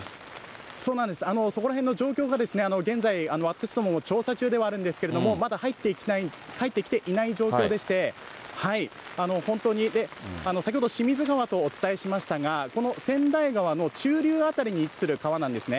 そこらへんの状況が現在、私どもも調査中ではあるんですけれども、まだ入ってきていない状況でして、本当に、先ほど清水川とお伝えしましたが、この千代川の中流辺りに位置する川なんですね。